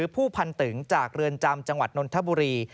ผู้พันตึงจากเรือนจำจังหวัดนนทบุรี